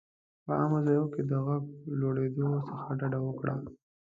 په عامه ځایونو کې د غږ لوړېدو څخه ډډه وکړه.